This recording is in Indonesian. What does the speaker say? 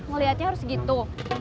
ngeliatnya harus gitu